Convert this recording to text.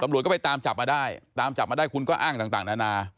ตำรวจก็ไปตามจับมาได้ตามจับมาได้คุณก็อ้างต่างนานา